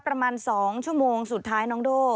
ประมาณ๒ชั่วโมงสุดท้ายน้องโด่